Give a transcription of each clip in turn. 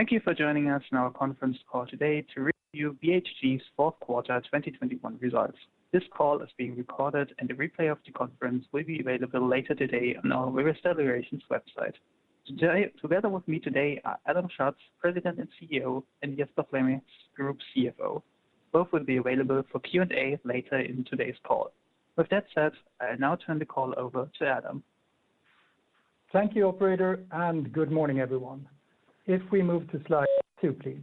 Thank you for joining us on our conference call today to review BHG's fourth quarter 2021 results. This call is being recorded and the replay of the conference will be available later today on our investor relations website. Today, together with me today are Adam Schatz, President and CEO, and Jesper Flemme, Group CFO. Both will be available for Q&A later in today's call. With that said, I now turn the call over to Adam. Thank you, operator, and good morning, everyone. If we move to slide two, please.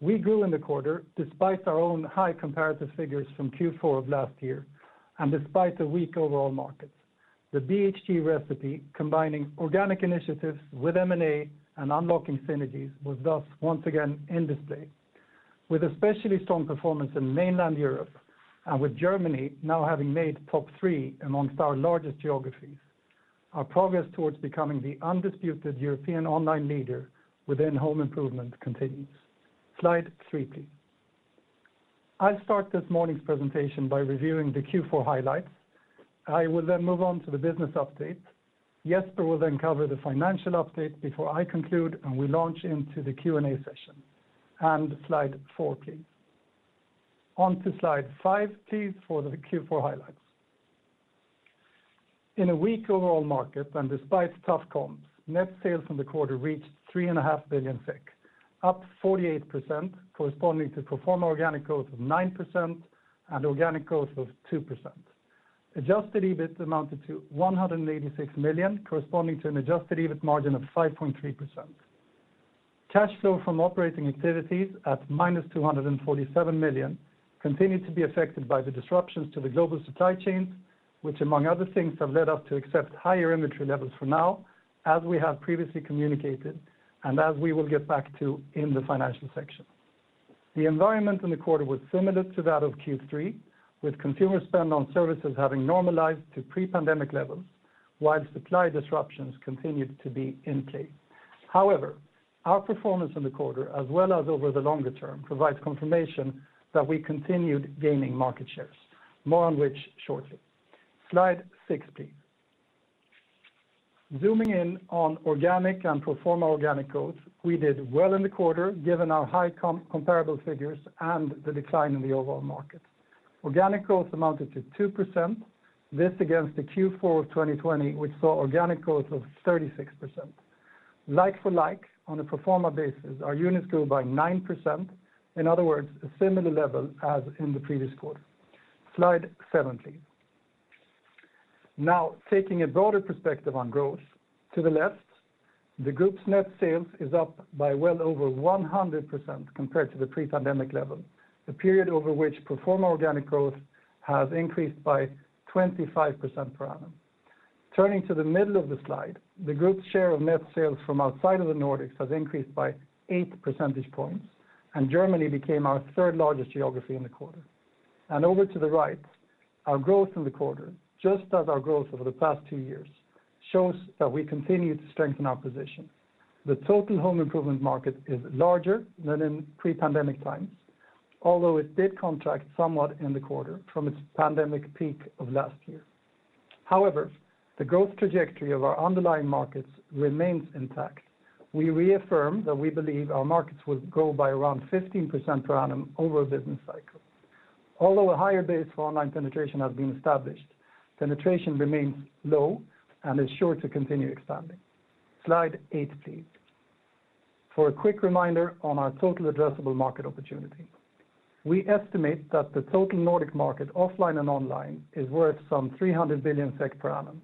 We grew in the quarter despite our own high comparative figures from Q4 of last year and despite the weak overall markets. The BHG recipe, combining organic initiatives with M&A and unlocking synergies, was thus once again in display. With especially strong performance in mainland Europe and with Germany now having made top three amongst our largest geographies, our progress towards becoming the undisputed European online leader within home improvement continues. Slide three, please. I'll start this morning's presentation by reviewing the Q4 highlights. I will then move on to the business update. Jesper will then cover the financial update before I conclude and we launch into the Q&A session. Slide four, please. On to slide five, please, for the Q4 highlights. In a weak overall market and despite tough comps, net sales from the quarter reached 3.5 billion SEK, up 48% corresponding to pro forma organic growth of 9% and organic growth of 2%. Adjusted EBIT amounted to 186 million, corresponding to an adjusted EBIT margin of 5.3%. Cash flow from operating activities at -247 million continued to be affected by the disruptions to the global supply chain, which among other things, have led us to accept higher inventory levels for now, as we have previously communicated and as we will get back to in the financial section. The environment in the quarter was similar to that of Q3, with consumer spend on services having normalized to pre-pandemic levels, while supply disruptions continued to be in play. However, our performance in the quarter as well as over the longer term provides confirmation that we continued gaining market shares, more on which shortly. Slide six, please. Zooming in on organic and pro forma organic growth, we did well in the quarter given our high comparable figures and the decline in the overall market. Organic growth amounted to 2%. This against the Q4 of 2020, which saw organic growth of 36%. Like for like on a pro forma basis, our units grew by 9%. In other words, a similar level as in the previous quarter. Slide seven, please. Now, taking a broader perspective on growth to the left, the group's net sales is up by well over 100% compared to the pre-pandemic level, the period over which pro forma organic growth has increased by 25% per annum. Turning to the middle of the slide, the group's share of net sales from outside of the Nordics has increased by eight percentage points, and Germany became our third largest geography in the quarter. Over to the right, our growth in the quarter, just as our growth over the past two years, shows that we continue to strengthen our position. The total home improvement market is larger than in pre-pandemic times, although it did contract somewhat in the quarter from its pandemic peak of last year. However, the growth trajectory of our underlying markets remains intact. We reaffirm that we believe our markets will grow by around 15% per annum over a business cycle. Although a higher base for online penetration has been established, penetration remains low and is sure to continue expanding. Slide eight, please. For a quick reminder on our total addressable market opportunity. We estimate that the total Nordic market, offline and online, is worth some 300 billion SEK per annum.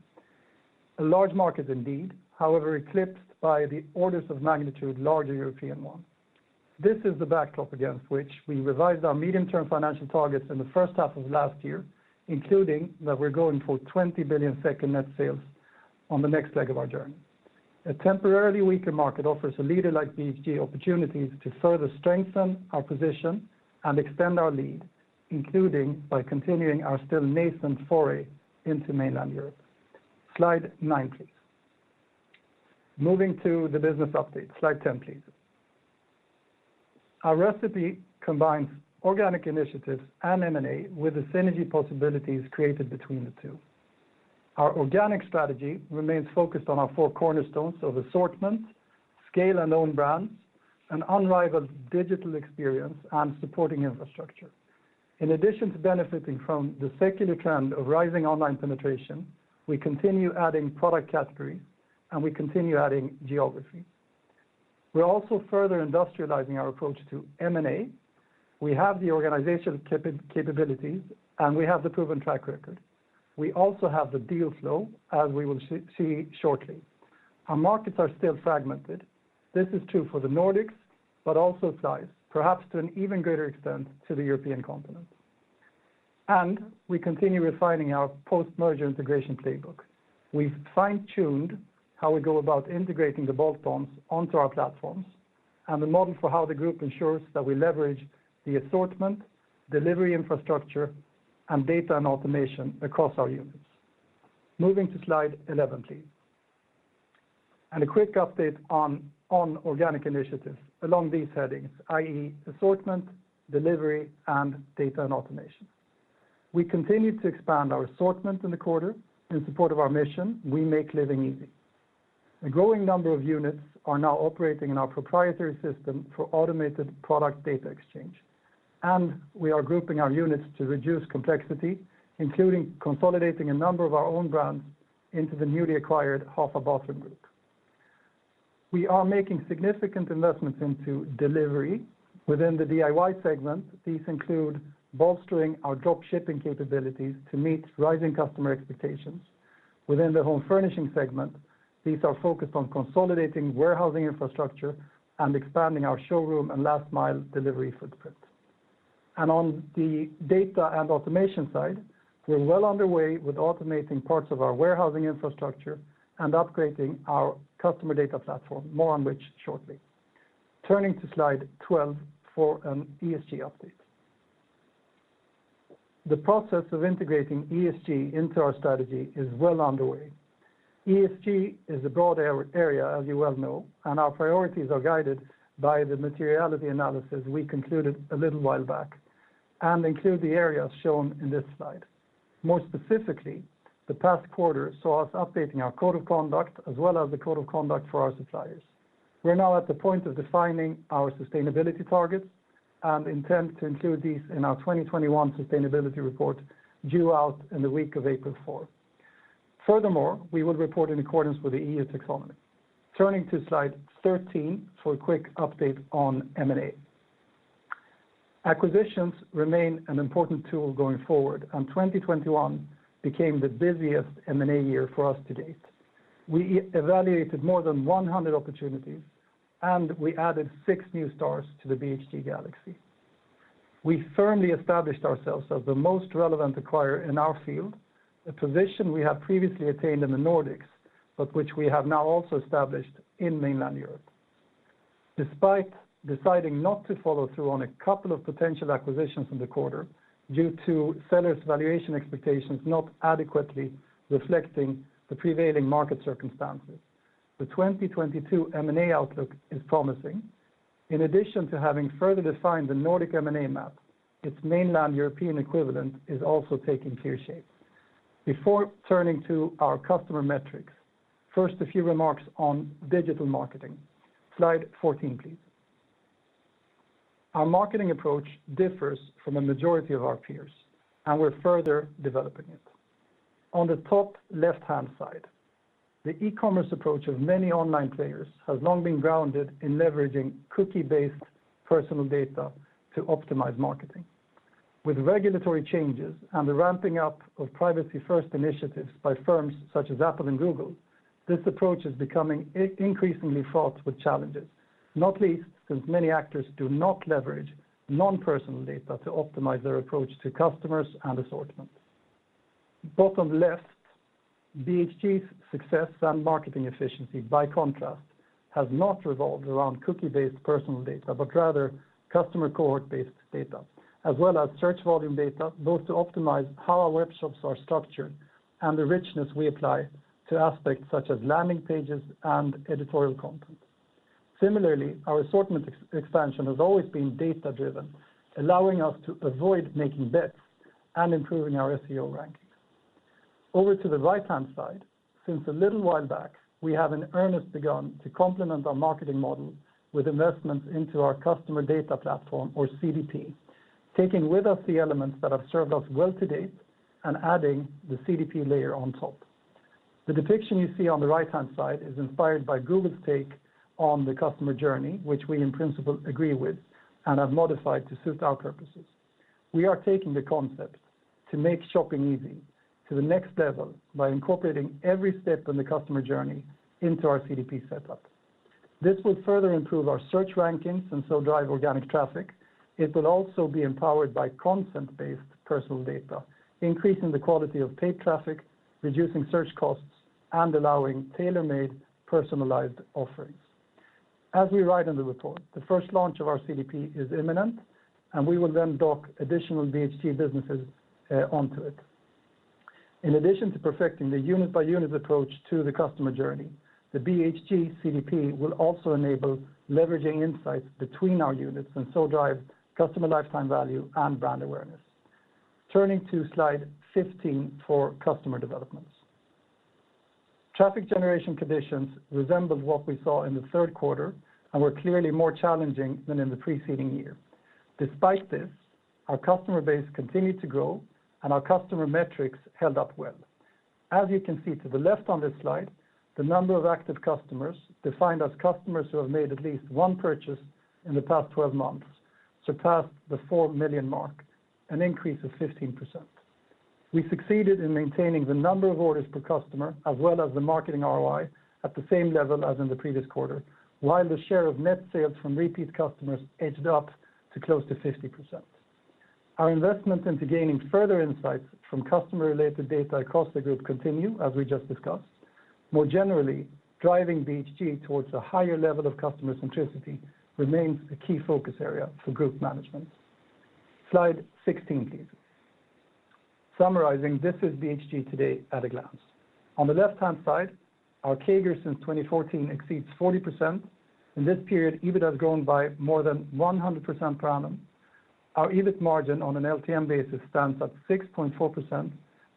A large market indeed, however, eclipsed by the orders of magnitude larger European one. This is the backdrop against which we revised our medium-term financial targets in the first half of last year, including that we're going for 20 billion net sales on the next leg of our journey. A temporarily weaker market offers a leader like BHG opportunities to further strengthen our position and extend our lead, including by continuing our still nascent foray into mainland Europe. Slide nine, please. Moving to the business update. Slide 10, please. Our recipe combines organic initiatives and M&A with the synergy possibilities created between the two. Our organic strategy remains focused on our four cornerstones of assortment, scale and own brands, an unrivaled digital experience, and supporting infrastructure. In addition to benefiting from the secular trend of rising online penetration, we continue adding product categories and we continue adding geographies. We're also further industrializing our approach to M&A. We have the organizational capabilities and we have the proven track record. We also have the deal flow, as we will see shortly. Our markets are still fragmented. This is true for the Nordics, but also outside, perhaps to an even greater extent to the European continent. We continue refining our post-merger integration playbook. We've fine-tuned how we go about integrating the bolt-ons onto our platforms and the model for how the group ensures that we leverage the assortment, delivery infrastructure, and data and automation across our units. Moving to slide 11, please. A quick update on organic initiatives along these headings, i.e. assortment, delivery, and data and automation. We continued to expand our assortment in the quarter in support of our mission, we make living easy. A growing number of units are now operating in our proprietary system for automated product data exchange. We are grouping our units to reduce complexity, including consolidating a number of our own brands into the newly acquired Hafa Bathroom Group. We are making significant investments into delivery within the DIY segment. These include bolstering our drop shipping capabilities to meet rising customer expectations. Within the home furnishing segment, these are focused on consolidating warehousing infrastructure and expanding our showroom and last mile delivery footprint. On the data and automation side, we're well underway with automating parts of our warehousing infrastructure and upgrading our customer data platform, more on which shortly. Turning to slide 12 for an ESG update. The process of integrating ESG into our strategy is well underway. ESG is a broad area, as you well know, and our priorities are guided by the materiality analysis we concluded a little while back and include the areas shown in this slide. More specifically, the past quarter saw us updating our code of conduct as well as the code of conduct for our suppliers. We're now at the point of defining our sustainability targets and intend to include these in our 2021 sustainability report due out in the week of April fourth. Furthermore, we will report in accordance with the EU taxonomy. Turning to slide 13 for a quick update on M&A. Acquisitions remain an important tool going forward, and 2021 became the busiest M&A year for us to date. We evaluated more than 100 opportunities, and we added six new stores to the BHG galaxy. We firmly established ourselves as the most relevant acquirer in our field, a position we have previously attained in the Nordics, but which we have now also established in mainland Europe, despite deciding not to follow through on a couple of potential acquisitions in the quarter due to sellers' valuation expectations not adequately reflecting the prevailing market circumstances. The 2022 M&A outlook is promising. In addition to having further defined the Nordic M&A map, its mainland European equivalent is also taking clear shape. Before turning to our customer metrics, first, a few remarks on digital marketing. Slide 14, please. Our marketing approach differs from a majority of our peers, and we're further developing it. On the top left-hand side, the e-commerce approach of many online players has long been grounded in leveraging cookie-based personal data to optimize marketing. With regulatory changes and the ramping up of privacy-first initiatives by firms such as Apple and Google, this approach is becoming increasingly fraught with challenges, not least since many actors do not leverage non-personal data to optimize their approach to customers and assortments. Bottom left, BHG's success and marketing efficiency, by contrast, has not revolved around cookie-based personal data, but rather customer cohort-based data, as well as search volume data, both to optimize how our workshops are structured and the richness we apply to aspects such as landing pages and editorial content. Similarly, our assortment expansion has always been data-driven, allowing us to avoid making bets and improving our SEO rankings. Over to the right-hand side, since a little while back, we have in earnest begun to complement our marketing model with investments into our customer data platform or CDP, taking with us the elements that have served us well to date and adding the CDP layer on top. The depiction you see on the right-hand side is inspired by Google's take on the customer journey, which we in principle agree with and have modified to suit our purposes. We are taking the concept to make shopping easy to the next level by incorporating every step in the customer journey into our CDP setup. This will further improve our search rankings and so drive organic traffic. It will also be empowered by consent-based personal data, increasing the quality of paid traffic, reducing search costs, and allowing tailor-made personalized offerings. As we write in the report, the first launch of our CDP is imminent, and we will then dock additional BHG businesses onto it. In addition to perfecting the unit-by-unit approach to the customer journey, the BHG CDP will also enable leveraging insights between our units and so drive customer lifetime value and brand awareness. Turning to slide 15 for customer developments. Traffic generation conditions resembled what we saw in the third quarter and were clearly more challenging than in the preceding year. Despite this, our customer base continued to grow and our customer metrics held up well. As you can see to the left on this slide, the number of active customers defined as customers who have made at least one purchase in the past 12 months surpassed the four million mark, an increase of 15%. We succeeded in maintaining the number of orders per customer as well as the marketing ROI at the same level as in the previous quarter, while the share of net sales from repeat customers edged up to close to 50%. Our investment into gaining further insights from customer-related data across the group continue, as we just discussed. More generally, driving BHG towards a higher level of customer centricity remains a key focus area for group management. Slide 16, please. Summarizing, this is BHG today at a glance. On the left-hand side, our CAGR since 2014 exceeds 40%. In this period, EBIT has grown by more than 100% per annum. Our EBIT margin on an LTM basis stands at 6.4%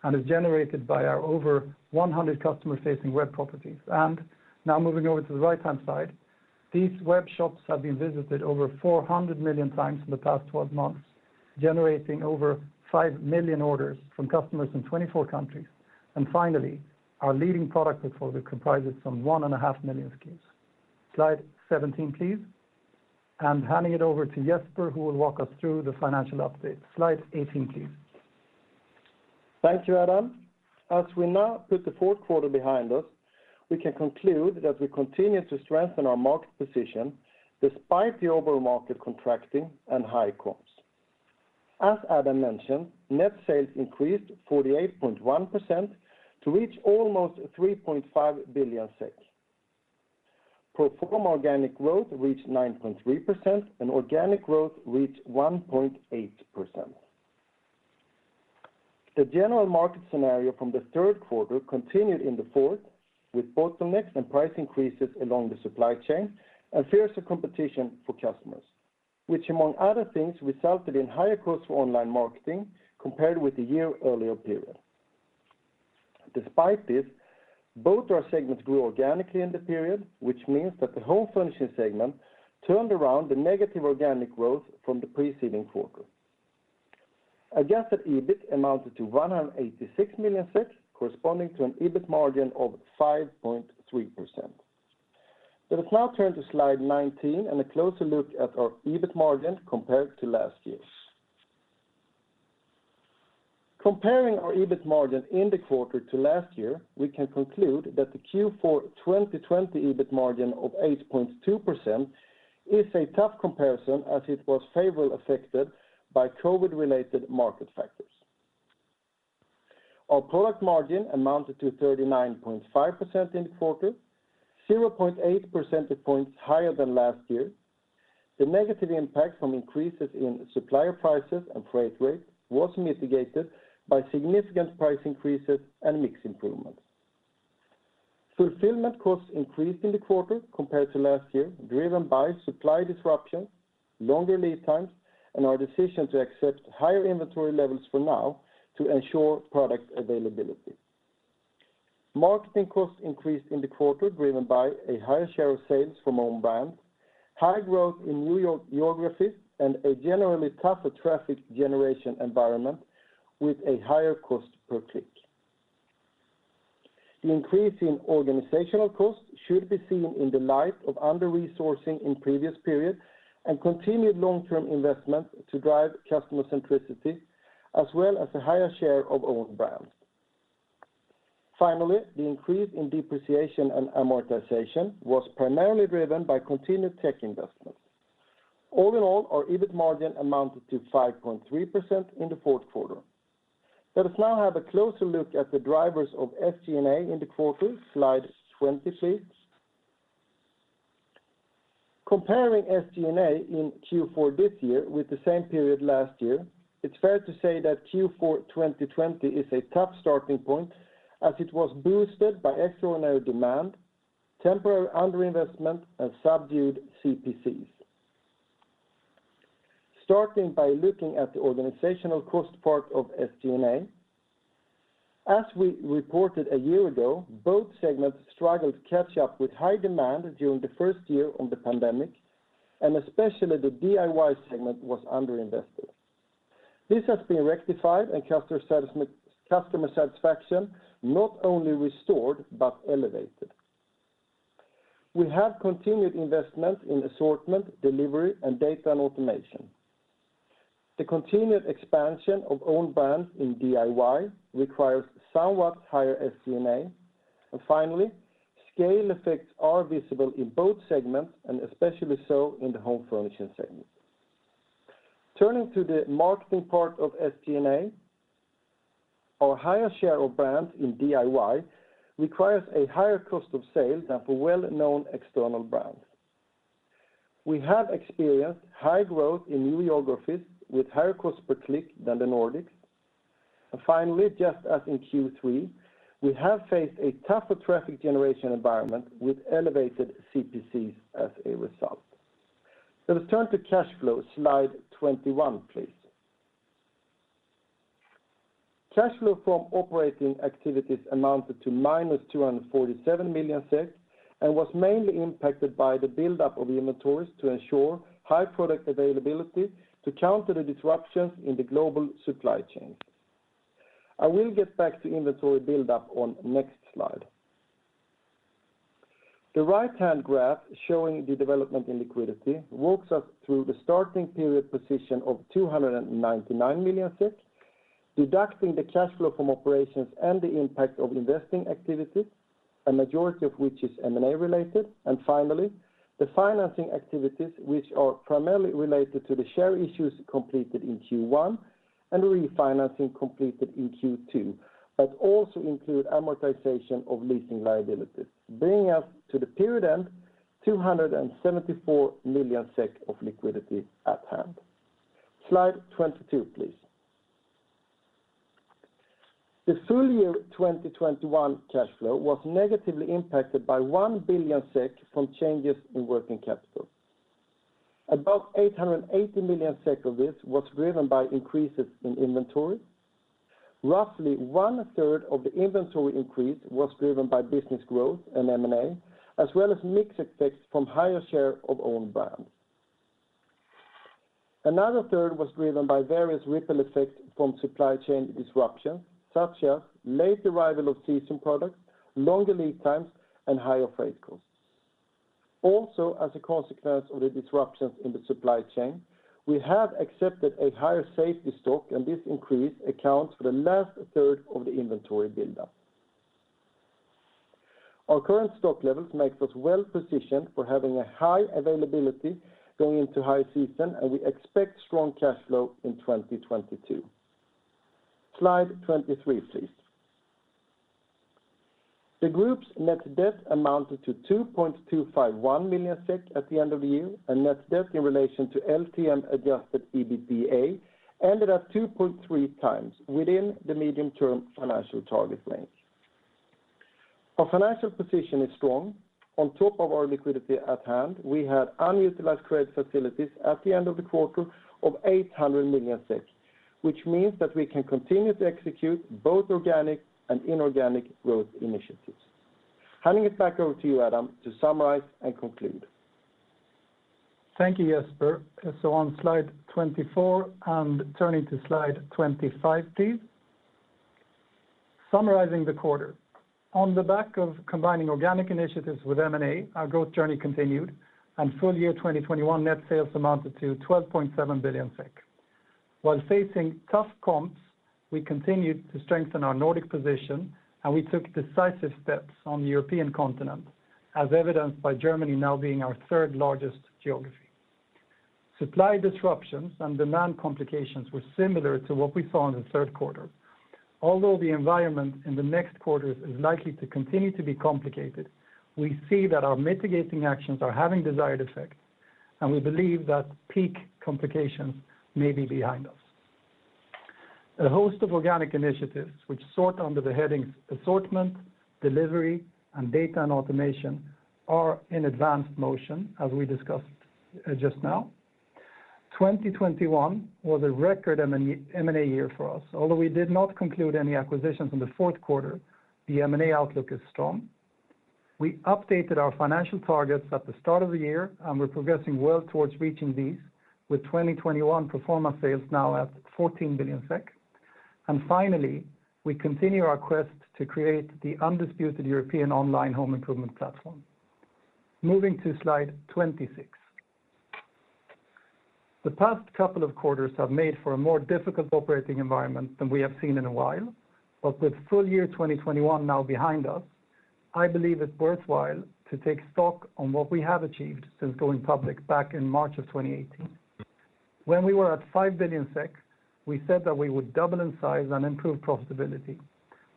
and is generated by our over 100 customer-facing web properties. Now moving over to the right-hand side, these web shops have been visited over 400 million times in the past 12 months, generating over five million orders from customers in 24 countries. Finally, our leading product portfolio comprises from 1.5 million SKUs. Slide 17, please. I'm handing it over to Jesper, who will walk us through the financial update. Slide 18, please. Thank you, Adam. As we now put the fourth quarter behind us, we can conclude that we continue to strengthen our market position despite the overall market contracting and high comps. As Adam mentioned, net sales increased 48.1% to reach almost 3.5 billion. Pro forma organic growth reached 9.3%, and organic growth reached 1.8%. The general market scenario from the third quarter continued in the fourth with bottlenecks and price increases along the supply chain and fiercer competition for customers, which among other things resulted in higher costs for online marketing compared with the year earlier period. Despite this, both our segments grew organically in the period, which means that the Home Furnishing segment turned around the negative organic growth from the preceding quarter. Adjusted EBIT amounted to 186 million, corresponding to an EBIT margin of 5.3%. Let us now turn to slide 19 and a closer look at our EBIT margin compared to last year’s. Comparing our EBIT margin in the quarter to last year, we can conclude that the Q4 2020 EBIT margin of 8.2% is a tough comparison as it was favorably affected by COVID-related market factors. Our product margin amounted to 39.5% in the quarter, 0.8 percentage points higher than last year. The negative impact from increases in supplier prices and freight rates was mitigated by significant price increases and mix improvements. Fulfillment costs increased in the quarter compared to last year, driven by supply disruptions, longer lead times, and our decision to accept higher inventory levels for now to ensure product availability. Marketing costs increased in the quarter, driven by a higher share of sales from own brands, high growth in new geographies, and a generally tougher traffic generation environment with a higher cost per click. The increase in organizational costs should be seen in the light of under-resourcing in previous periods and continued long-term investment to drive customer centricity, as well as a higher share of own brands. Finally, the increase in depreciation and amortization was primarily driven by continued tech investments. All in all, our EBIT margin amounted to 5.3% in the fourth quarter. Let us now have a closer look at the drivers of SG&A in the quarter, slide 20, please. Comparing SG&A in Q4 this year with the same period last year, it's fair to say that Q4 2020 is a tough starting point as it was boosted by extraordinary demand, temporary under-investment, and subdued CPCs. Starting by looking at the organizational cost part of SG&A, as we reported a year ago, both segments struggled to catch up with high demand during the first year of the pandemic, and especially the DIY segment was under-invested. This has been rectified and customer satisfaction not only restored, but elevated. We have continued investment in assortment, delivery, and data and automation. The continued expansion of own brands in DIY requires somewhat higher SG&A. Finally, scale effects are visible in both segments, and especially so in the Home Furnishing segment. Turning to the marketing part of SG&A, our higher share of brands in DIY requires a higher cost of sale than for well-known external brands. We have experienced high growth in new geographies with higher cost per click than the Nordics. Finally, just as in Q3, we have faced a tougher traffic generation environment with elevated CPCs as a result. Let us turn to cash flow, slide 21, please. Cash flow from operating activities amounted to -247 million and was mainly impacted by the buildup of inventories to ensure high product availability to counter the disruptions in the global supply chain. I will get back to inventory buildup on next slide. The right-hand graph showing the development in liquidity walks us through the starting period position of 299 million, deducting the cash flow from operations and the impact of investing activities, a majority of which is M&A related. Finally, the financing activities, which are primarily related to the share issues completed in Q1 and the refinancing completed in Q2, but also include amortization of leasing liabilities, bringing us to the period end 274 million SEK of liquidity at hand. Slide 22, please. The full year 2021 cash flow was negatively impacted by 1 billion SEK from changes in working capital. About 880 million SEK of this was driven by increases in inventory. Roughly one third of the inventory increase was driven by business growth and M&A, as well as mixed effects from higher share of own brands. Another third was driven by various ripple effects from supply chain disruption, such as late arrival of season products, longer lead times, and higher freight costs. Also, as a consequence of the disruptions in the supply chain, we have accepted a higher safety stock, and this increase accounts for the last third of the inventory buildup. Our current stock levels makes us well-positioned for having a high availability going into high season, and we expect strong cash flow in 2022. Slide 23, please. The group's net debt amounted to 2.251 million SEK at the end of the year, and net debt in relation to LTM adjusted EBITDA ended at 2.3 times within the medium-term financial target range. Our financial position is strong. On top of our liquidity at hand, we had unutilized credit facilities at the end of the quarter of 800 million SEK, which means that we can continue to execute both organic and inorganic growth initiatives. Handing it back over to you, Adam, to summarize and conclude. Thank you, Jesper. On slide 24 and turning to slide 25, please. Summarizing the quarter. On the back of combining organic initiatives with M&A, our growth journey continued, and full year 2021 net sales amounted to 12.7 billion SEK. While facing tough comps, we continued to strengthen our Nordic position, and we took decisive steps on the European continent, as evidenced by Germany now being our third largest geography. Supply disruptions and demand complications were similar to what we saw in the third quarter. Although the environment in the next quarter is likely to continue to be complicated, we see that our mitigating actions are having desired effects, and we believe that peak complications may be behind us. A host of organic initiatives which sort under the headings assortment, delivery, and data and automation are in advanced motion, as we discussed, just now. 2021 was a record M&A year for us. Although we did not conclude any acquisitions in the fourth quarter, the M&A outlook is strong. We updated our financial targets at the start of the year, and we're progressing well towards reaching these with 2021 pro forma sales now at 14 billion SEK. Finally, we continue our quest to create the undisputed European online home improvement platform. Moving to slide 26. The past couple of quarters have made for a more difficult operating environment than we have seen in a while. With full year 2021 now behind us, I believe it's worthwhile to take stock of what we have achieved since going public back in March of 2018. When we were at 5 billion SEK, we said that we would double in size and improve profitability,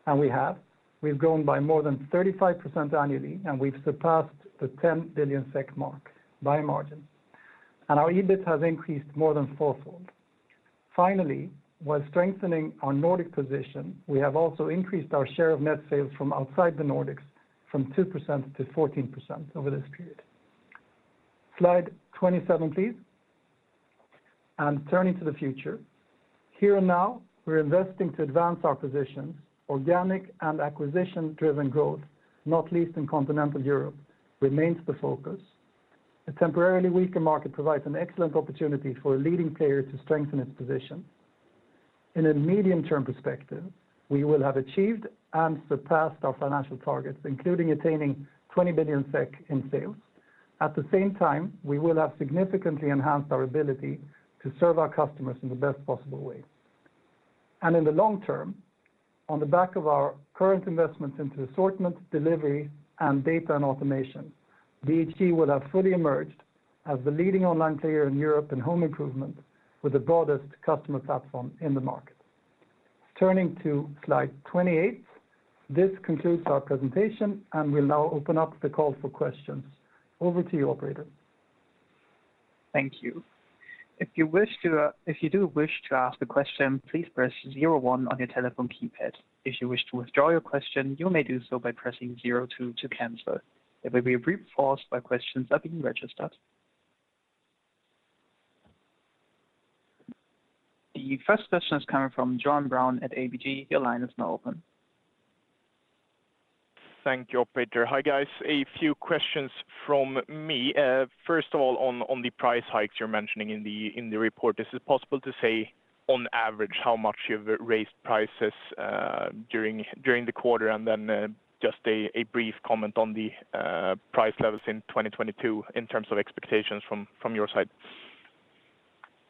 and we have. We've grown by more than 35% annually, and we've surpassed the 10 billion SEK mark by margin. Our EBIT has increased more than fourfold. Finally, while strengthening our Nordic position, we have also increased our share of net sales from outside the Nordics from 2% to 14% over this period. Slide 27, please. Turning to the future. Here and now, we're investing to advance our positions. Organic and acquisition-driven growth, not least in continental Europe, remains the focus. A temporarily weaker market provides an excellent opportunity for a leading player to strengthen its position. In a medium-term perspective, we will have achieved and surpassed our financial targets, including attaining 20 billion SEK in sales. At the same time, we will have significantly enhanced our ability to serve our customers in the best possible way. In the long term, on the back of our current investments into assortment, delivery, and data and automation, BHG will have fully emerged as the leading online player in Europe in home improvement with the broadest customer platform in the market. Turning to slide 28. This concludes our presentation, and we'll now open up the call for questions. Over to you, operator. Thank you. If you wish to ask a question, please press zero one on your telephone keypad. If you wish to withdraw your question, you may do so by pressing zero two to cancel. There will be a brief pause while questions are being registered. The first question is coming from Johan Brown at ABG. Your line is now open. Thank you, operator. Hi, guys. A few questions from me. First of all, on the price hikes you're mentioning in the report. Is it possible to say on average how much you've raised prices during the quarter? Then, just a brief comment on the price levels in 2022 in terms of expectations from your side.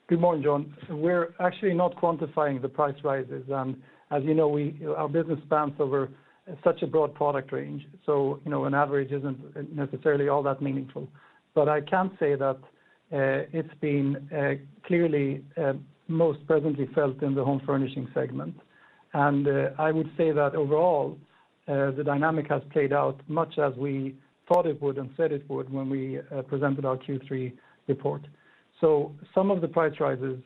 Good morning, Johan. We're actually not quantifying the price rises. As you know, our business spans over such a broad product range, so, you know, an average isn't necessarily all that meaningful. I can say that it's been clearly most presently felt in the home furnishing segment. I would say that overall the dynamic has played out much as we thought it would and said it would when we presented our Q3 report. Some of the price rises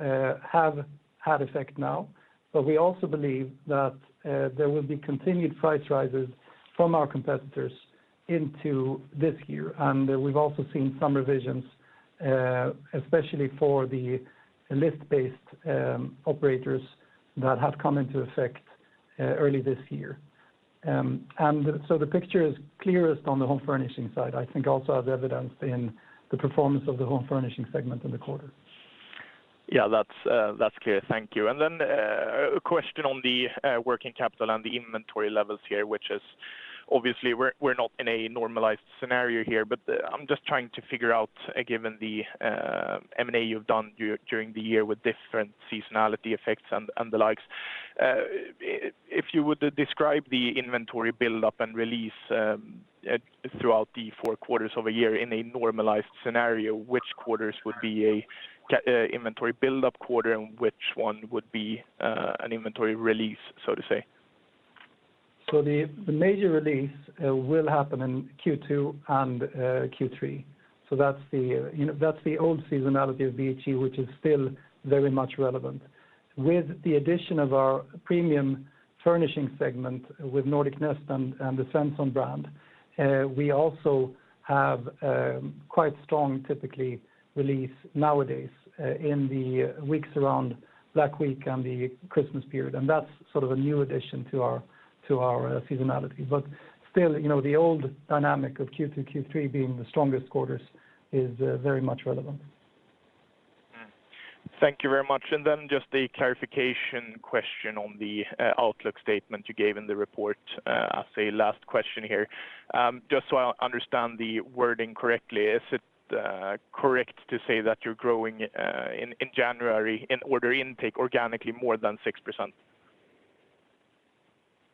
have had effect now, but we also believe that there will be continued price rises from our competitors into this year. We've also seen some revisions especially for the list-based operators that have come into effect early this year. The picture is clearest on the home furnishings side, I think also as evidenced in the performance of the home furnishings segment in the quarter. Yeah, that's clear. Thank you. A question on the working capital and the inventory levels here, which is obviously we're not in a normalized scenario here, but I'm just trying to figure out given the M&A you've done during the year with different seasonality effects and the likes. If you would describe the inventory buildup and release throughout the four quarters of a year in a normalized scenario, which quarters would be a inventory buildup quarter and which one would be an inventory release, so to say? The major release will happen in Q2 and Q3. That's the old seasonality of BHG, which is still very much relevant. With the addition of our premium furnishing segment with Nordic Nest and the Svenssons brand, we also have quite strong typical release nowadays in the weeks around Black Week and the Christmas period. That's sort of a new addition to our seasonality. Still, you know, the old dynamic of Q2, Q3 being the strongest quarters is very much relevant. Thank you very much. Just a clarification question on the outlook statement you gave in the report, as a last question here. Just so I understand the wording correctly, is it correct to say that you're growing in January in order intake organically more than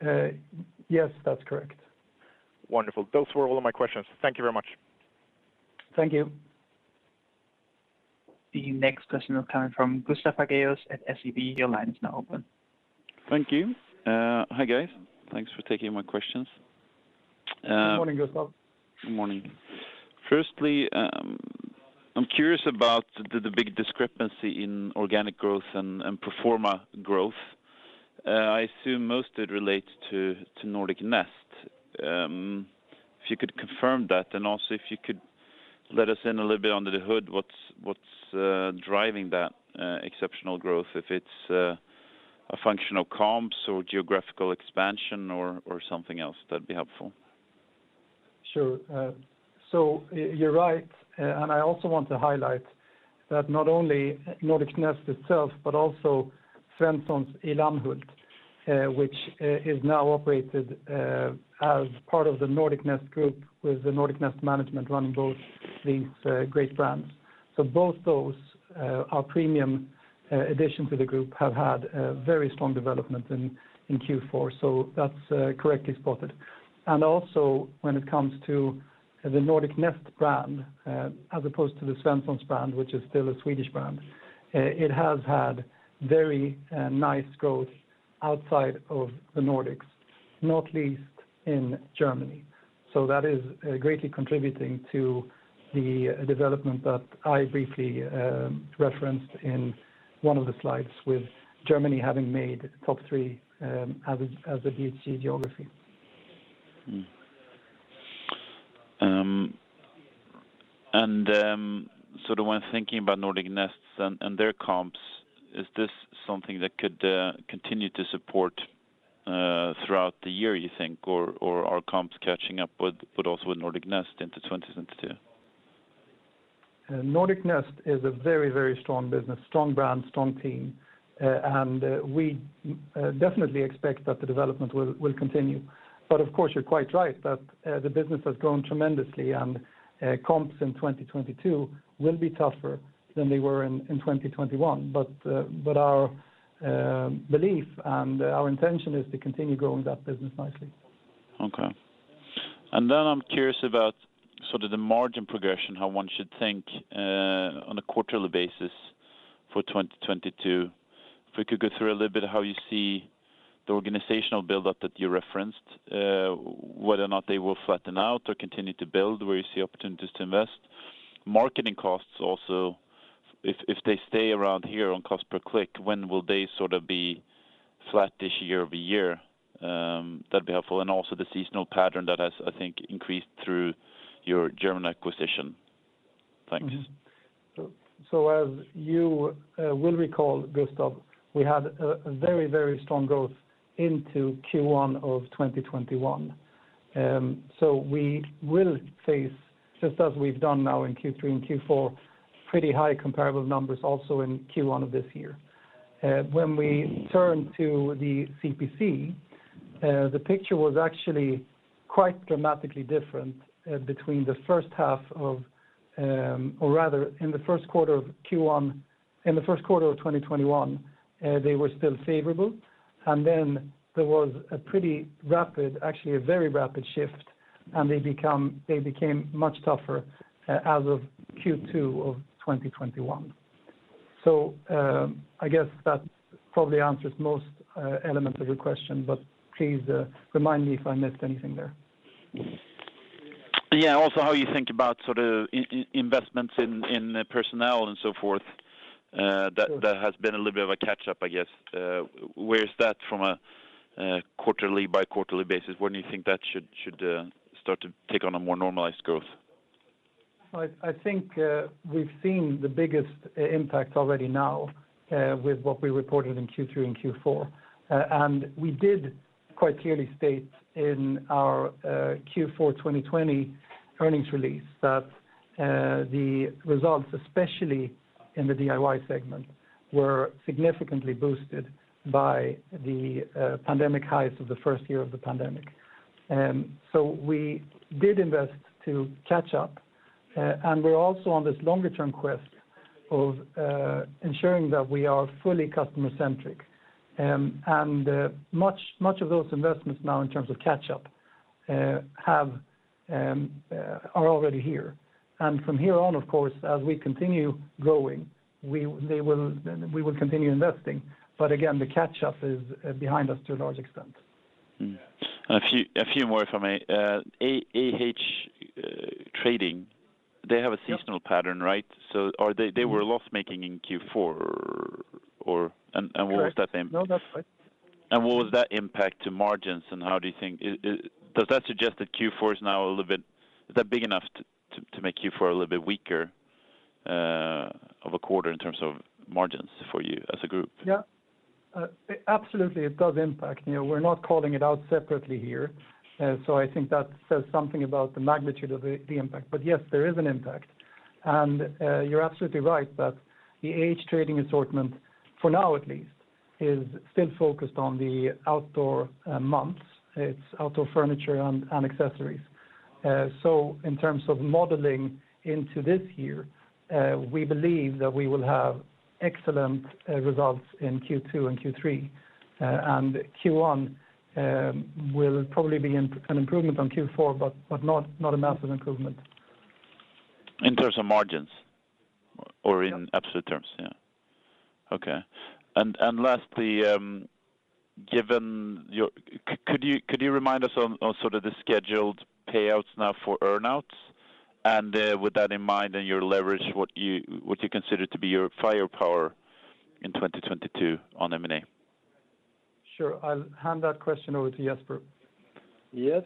6%? Yes, that's correct. Wonderful. Those were all of my questions. Thank you very much. Thank you. The next question will come from Gustav Hagéus at SEB. Your line is now open. Thank you. Hi, guys. Thanks for taking my questions. Good morning, Gustaf. Good morning. First, I'm curious about the big discrepancy in organic growth and pro forma growth. I assume most of it relates to Nordic Nest. If you could confirm that, and also if you could let us in a little bit under the hood, what's driving that exceptional growth, if it's a function of comps or geographical expansion or something else, that'd be helpful. Sure. You're right. I also want to highlight that not only Nordic Nest itself, but also Svenssons i Lammhult, which is now operated as part of the Nordic Nest group with the Nordic Nest management running both these great brands. Both those our premium addition to the group have had a very strong development in Q4. That's correctly spotted. Also when it comes to the Nordic Nest brand, as opposed to the Svenssons brand, which is still a Swedish brand, it has had very nice growth outside of the Nordics, not least in Germany. That is greatly contributing to the development that I briefly referenced in one of the slides with Germany having made top three as a BHG geography. When thinking about Nordic Nest and their comps, is this something that could continue to support throughout the year, you think, or are comps catching up with, but also with Nordic Nest into 2022? Nordic Nest is a very, very strong business, strong brand, strong team. We definitely expect that the development will continue. Of course, you're quite right that the business has grown tremendously and comps in 2022 will be tougher than they were in 2021. Our belief and our intention is to continue growing that business nicely. Okay. Then I'm curious about sort of the margin progression, how one should think on a quarterly basis for 2022. If we could go through a little bit how you see the organizational build-up that you referenced, whether or not they will flatten out or continue to build, where you see opportunities to invest. Marketing costs also, if they stay around here on cost per click, when will they sort of be flat this year-over-year? That'd be helpful. Also the seasonal pattern that has, I think, increased through your German acquisition. Thanks. As you will recall, Gustaf, we had a very strong growth into Q1 of 2021. We will face, just as we've done now in Q3 and Q4, pretty high comparable numbers also in Q1 of this year. When we turn to the CPC, the picture was actually quite dramatically different in the first quarter of 2021. They were still favorable. Then there was a pretty rapid, actually a very rapid shift, and they became much tougher as of Q2 of 2021. I guess that probably answers most elements of your question, but please remind me if I missed anything there. Yeah. Also, how you think about sort of investments in personnel and so forth, that has been a little bit of a catch-up, I guess. Where is that from a quarterly by quarterly basis? When do you think that should start to take on a more normalized growth? I think we've seen the biggest impact already now with what we reported in Q3 and Q4. We did quite clearly state in our Q4 2020 earnings release that the results, especially in the DIY segment, were significantly boosted by the pandemic highs of the first year of the pandemic. We did invest to catch up. We're also on this longer term quest of ensuring that we are fully customer-centric. Much of those investments now in terms of catch-up are already here. From here on, of course, as we continue growing, we will continue investing. Again, the catch-up is behind us to a large extent. A few more, if I may. AH Trading, they have a- Yep... seasonal pattern, right? They were loss-making in Q4 or and what was that? Correct. No, that's right. What was that impact to margins, and how do you think? Does that suggest that Q4 is now a little bit? Is that big enough to make Q4 a little bit weaker of a quarter in terms of margins for you as a group? Yeah. Absolutely, it does impact. You know, we're not calling it out separately here. So I think that says something about the magnitude of the impact. Yes, there is an impact. You're absolutely right that the AH Trading assortment, for now at least, is still focused on the outdoor months. It's outdoor furniture and accessories. So in terms of modeling into this year, we believe that we will have excellent results in Q2 and Q3. Q1 will probably be an improvement on Q4, but not a massive improvement. In terms of margins or in absolute terms? Yeah. Okay. Lastly, could you remind us on sort of the scheduled payouts now for earn-outs? With that in mind and your leverage, what you consider to be your firepower in 2022 on M&A? Sure. I'll hand that question over to Jesper. Yes.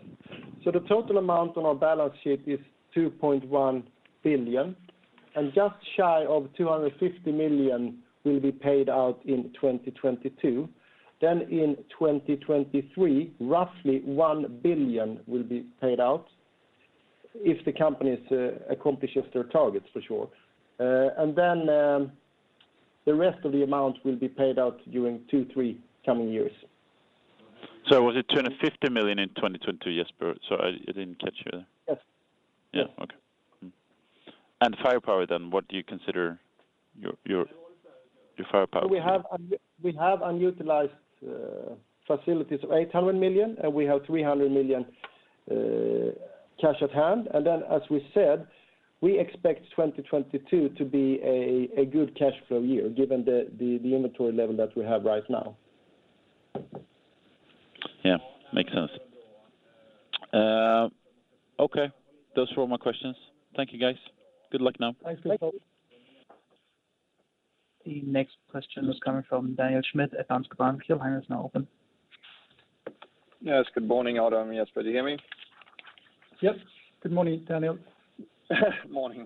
The total amount on our balance sheet is 2.1 billion, and just shy of 250 million will be paid out in 2022. In 2023, roughly 1 billion will be paid out if the companies accomplishes their targets for sure. The rest of the amount will be paid out during two, three coming years. Was it 250 million in 2022, Jesper? Sorry, I didn't catch you there. Yes. Yes. Firepower then, what do you consider your firepower to be? We have unutilized facilities of 800 million, and we have 300 million cash at hand. Then as we said, we expect 2022 to be a good cash flow year given the inventory level that we have right now. Yeah. Makes sense. Okay. Those were all my questions. Thank you, guys. Good luck now. Thanks. Thank you. The next question is coming from Daniel Schmidt at Danske Bank. Your line is now open. Yes. Good morning, Otto and Jesper. Do you hear me? Yep. Good morning, Daniel. Morning.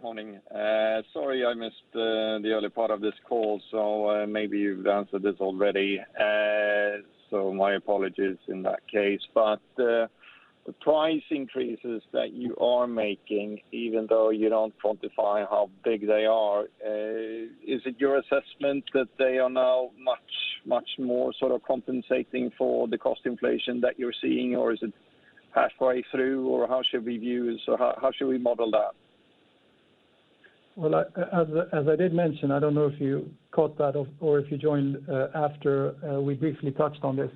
Sorry, I missed the early part of this call, so maybe you've answered this already. My apologies in that case. The price increases that you are making, even though you don't quantify how big they are, is it your assessment that they are now much, much more sort of compensating for the cost inflation that you're seeing, or is it halfway through, or how should we view this, or how should we model that? Well, as I did mention, I don't know if you caught that or if you joined after we briefly touched on this,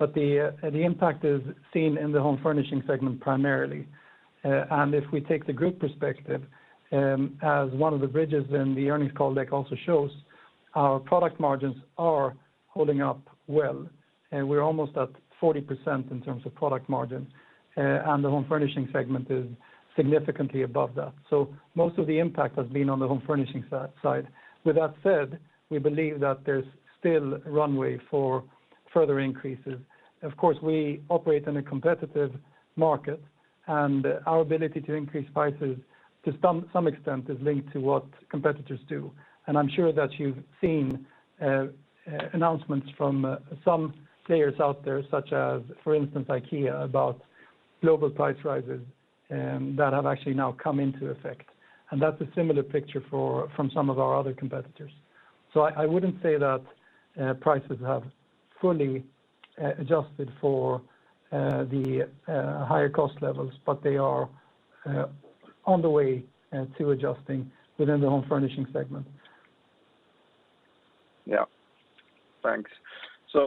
but the impact is seen in the home furnishing segment primarily. If we take the group perspective, as one of the bridges in the earnings call deck also shows, our product margins are holding up well, and we're almost at 40% in terms of product margins. The home furnishing segment is significantly above that. Most of the impact has been on the home furnishing side. With that said, we believe that there's still runway for further increases. Of course, we operate in a competitive market, and our ability to increase prices to some extent is linked to what competitors do. I'm sure that you've seen announcements from some players out there, such as, for instance, IKEA, about global price rises that have actually now come into effect. That's a similar picture from some of our other competitors. I wouldn't say that prices have fully adjusted for the higher cost levels, but they are on the way to adjusting within the home furnishing segment. Yeah. Thanks. I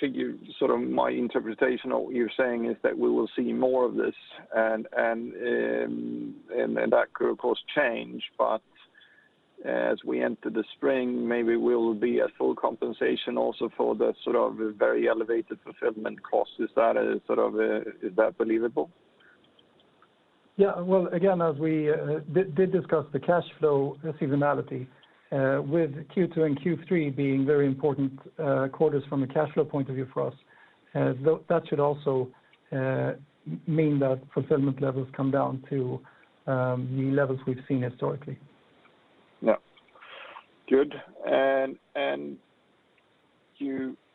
think sort of my interpretation of what you're saying is that we will see more of this and that could of course change, but as we enter the spring, maybe we'll be at full compensation also for the sort of very elevated fulfillment costs. Is that sort of believable? Yeah. Well, again, as we did discuss the cash flow seasonality, with Q2 and Q3 being very important quarters from a cash flow point of view for us, that should also mean that fulfillment levels come down to the levels we've seen historically. Yeah. Good.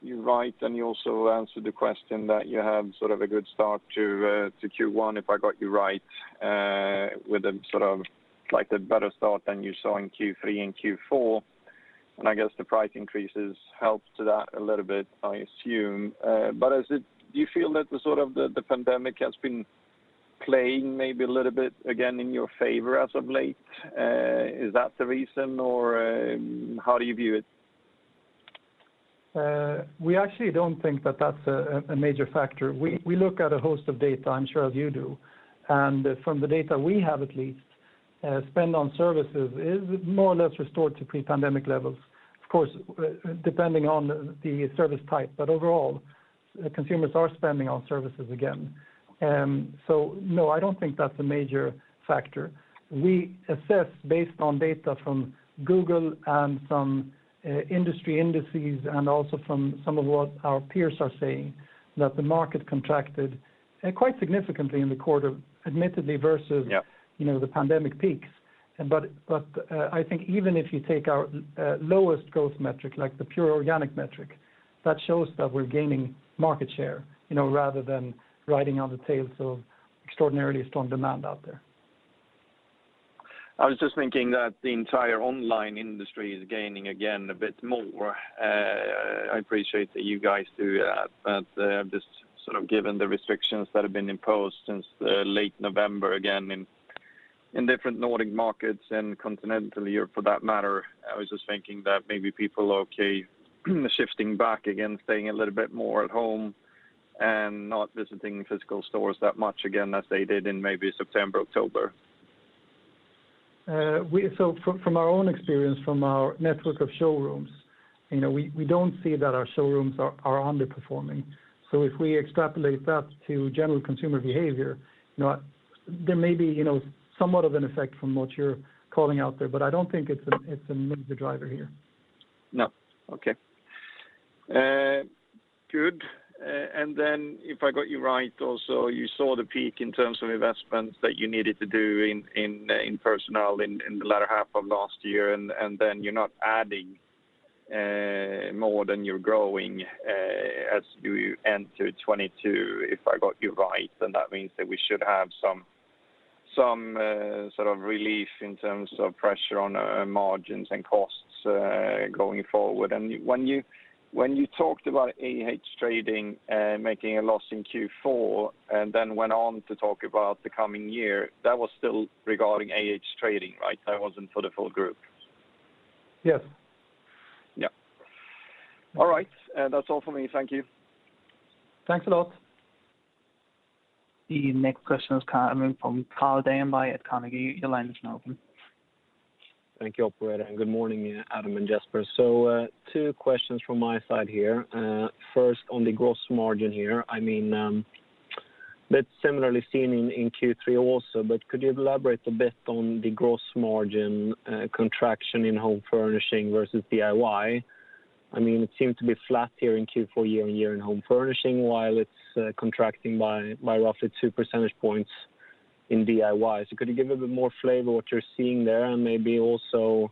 You write and you also answered the question that you had sort of a good start to Q1, if I got you right, with a sort of like the better start than you saw in Q3 and Q4. I guess the price increases helped that a little bit, I assume. But is it? Do you feel that the sort of the pandemic has been playing maybe a little bit again in your favor as of late? Is that the reason, or how do you view it? We actually don't think that's a major factor. We look at a host of data, I'm sure as you do. From the data we have, at least, spend on services is more or less restored to pre-pandemic levels. Of course, depending on the service type, but overall, consumers are spending on services again. No, I don't think that's a major factor. We assess based on data from Google and from industry indices and also from some of what our peers are saying that the market contracted quite significantly in the quarter, admittedly versus- Yeah... you know, the pandemic peaks. I think even if you take our lowest growth metric, like the pure organic metric, that shows that we're gaining market share, you know, rather than riding on the tails of extraordinarily strong demand out there. I was just thinking that the entire online industry is gaining again a bit more. I appreciate that you guys do that, but just sort of given the restrictions that have been imposed since late November, again in different Nordic markets and continentally or for that matter, I was just thinking that maybe people are okay shifting back again, staying a little bit more at home and not visiting physical stores that much again as they did in maybe September, October. From our own experience from our network of showrooms, you know, we don't see that our showrooms are underperforming. If we extrapolate that to general consumer behavior, you know, there may be, you know, somewhat of an effect from what you're calling out there, but I don't think it's a major driver here. No. Okay. Good. Then if I got you right also, you saw the peak in terms of investments that you needed to do in personnel in the latter half of last year, and then you're not adding more than you're growing as you enter 2022, if I got you right, then that means that we should have some sort of relief in terms of pressure on margins and costs going forward. When you talked about AH Trading making a loss in Q4 and then went on to talk about the coming year, that was still regarding AH Trading, right? That wasn't for the full group. Yes. Yeah. All right. That's all for me. Thank you. Thanks a lot. The next question is coming from Carl Deijenberg at Carnegie. Your line is now open. Thank you, operator, and good morning Adam and Jesper. Two questions from my side here. First on the gross margin here, I mean, that's similarly seen in Q3 also, but could you elaborate a bit on the gross margin contraction in home furnishing versus DIY? I mean, it seemed to be flat here in Q4 year-on-year in home furnishing while it's contracting by roughly two percentage points in DIY. Could you give a bit more flavor what you're seeing there and maybe also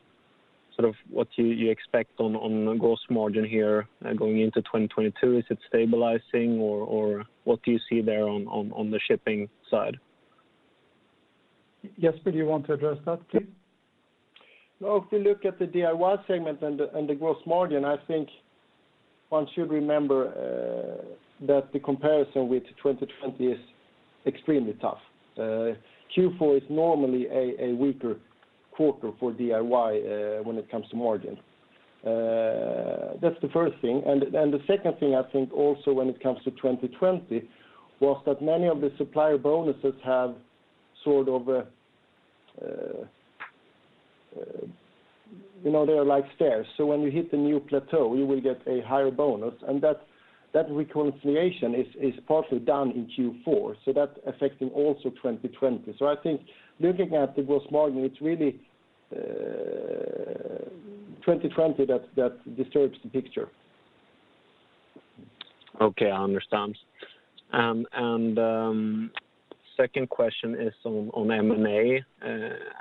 sort of what you expect on gross margin here going into 2022? Is it stabilizing or what do you see there on the shipping side? Jesper, do you want to address that please? No. If you look at the DIY segment and the gross margin, I think one should remember that the comparison with 2020 is extremely tough. Q4 is normally a weaker quarter for DIY when it comes to margin. That's the first thing. The second thing I think also when it comes to 2020 was that many of the supplier bonuses have sort of you know they are like stairs. When you hit the new plateau, you will get a higher bonus. That reconciliation is partly done in Q4, so that's affecting also 2020. I think looking at the gross margin, it's really 2020 that disturbs the picture. Okay, I understand. Second question is on M&A.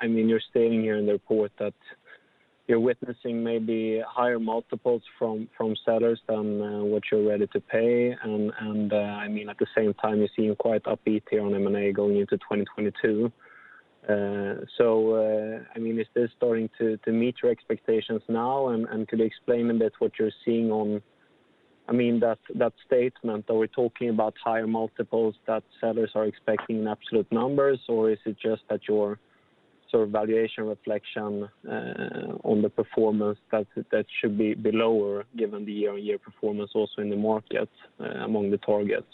I mean, you're stating here in the report that you're witnessing maybe higher multiples from sellers than what you're ready to pay. I mean, at the same time, you seem quite upbeat here on M&A going into 2022. I mean, is this starting to meet your expectations now? Could you explain a bit what you're seeing—I mean that statement, are we talking about higher multiples that sellers are expecting in absolute numbers? Or is it just that your sort of valuation reflection on the performance that should be below or given the year-on-year performance also in the markets among the targets?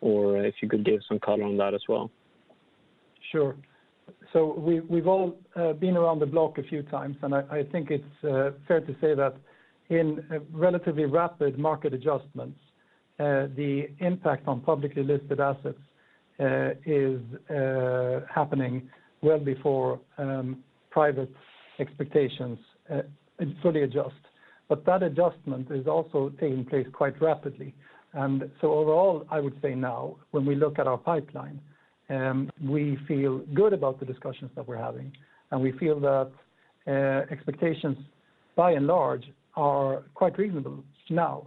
Or if you could give some color on that as well. Sure. We've all been around the block a few times, and I think it's fair to say that in a relatively rapid market adjustments the impact on publicly listed assets is happening well before private expectations fully adjust. That adjustment is also taking place quite rapidly. Overall, I would say now when we look at our pipeline, we feel good about the discussions that we're having, and we feel that expectations by and large are quite reasonable now.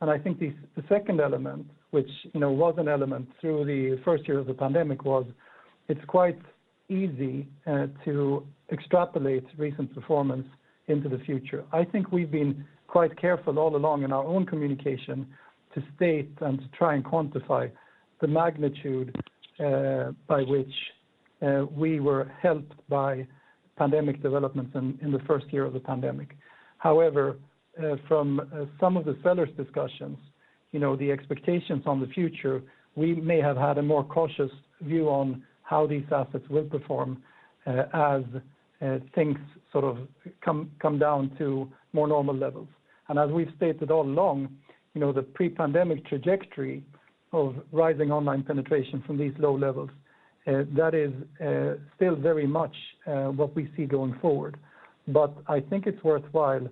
I think the second element, which you know was an element through the first year of the pandemic, was it's quite easy to extrapolate recent performance into the future. I think we've been quite careful all along in our own communication to state and to try and quantify the magnitude by which we were helped by pandemic developments in the first year of the pandemic. However, from some of the sellers discussions, you know, the expectations on the future, we may have had a more cautious view on how these assets will perform as things sort of come down to more normal levels. As we've stated all along, you know, the pre-pandemic trajectory of rising online penetration from these low levels that is still very much what we see going forward. I think it's worthwhile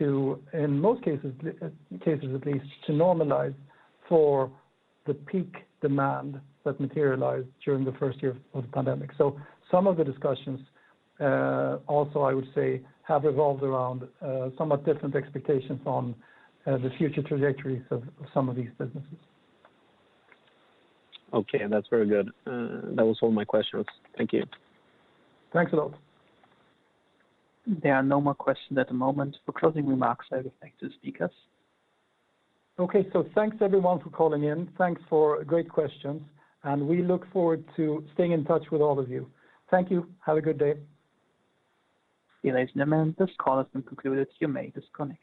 to, in most cases at least, to normalize for the peak demand that materialized during the first year of the pandemic. Some of the discussions, also I would say, have revolved around somewhat different expectations on the future trajectories of some of these businesses. Okay. That's very good. That was all my questions. Thank you. Thanks a lot. There are no more questions at the moment. For closing remarks, I would like to speakers. Okay. Thanks everyone for calling in. Thanks for great questions, and we look forward to staying in touch with all of you. Thank you. Have a good day. Ladies and gentlemen, this call has been concluded. You may disconnect.